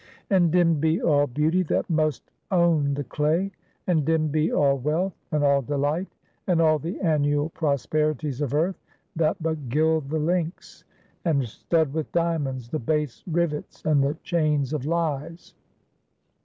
And dimmed be all beauty that must own the clay; and dimmed be all wealth, and all delight, and all the annual prosperities of earth, that but gild the links, and stud with diamonds the base rivets and the chains of Lies.